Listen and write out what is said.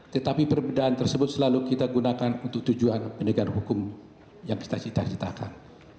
tetapi perbedaan tersebut selalu kita gunakan untuk tujuan penegakan hukum yang kita cita citakan